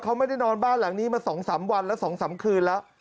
เขาไม่ได้นอนบ้านหลังนี้มา๒๓วันแล้ว๒๓คืนแล้ว